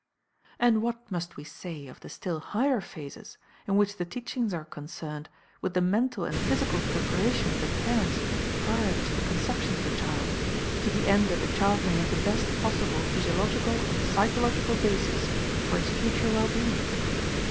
And what must we say of the still higher phases in which the teachings are concerned with the mental and physical preparation of the parents prior to the conception of the child, to the end that the child may have the best possible physiological and psychological basis for its future well being?